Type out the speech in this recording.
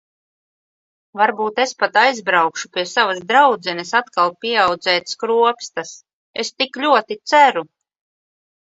Varbūt es pat aizbraukšu pie savas draudzenes atkal pieaudzēt skropstas... Es tik ļoti ceru!